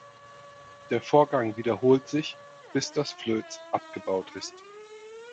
Der Vorgang wiederholt sich, bis das Flöz abgebaut ist.